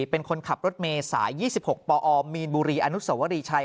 เป็นคนขับรถเมย์สาย๒๖ปอมีนบุรีอนุสวรีชัย